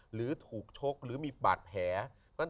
หรือถูกชกหรือมีบาดแผล